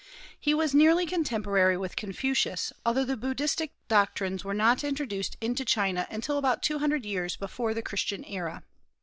He was nearly contemporary with Confucius, although the Buddhistic doctrines were not introduced into China until about two hundred years before the Christian era.